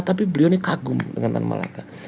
tapi beliau ini kagum dengan petan malaka